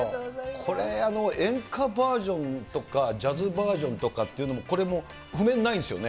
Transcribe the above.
これ、演歌バージョンとかジャズバージョンとかっていうのも、これも譜面ないんですよね。